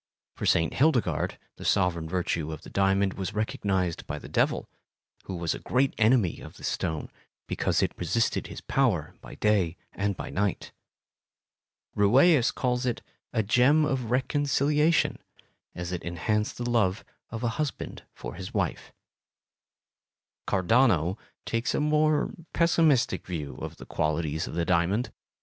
For St. Hildegard the sovereign virtue of the diamond was recognized by the devil, who was a great enemy of this stone because it resisted his power by day and by night. Rueus calls it "a gem of reconciliation," as it enhanced the love of a husband for his wife. Cardano takes a more pessimistic view of the qualities of the diamond.